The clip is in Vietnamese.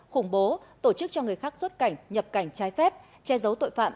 khủng bố tổ chức cho người khác xuất cảnh nhập cảnh trái phép che giấu tội phạm